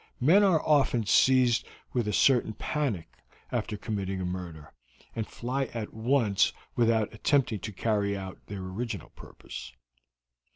Men are often seized with a certain panic after committing a murder, and fly at once without attempting to carry out their original purpose.